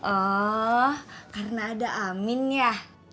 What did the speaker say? oh karena ada amin ya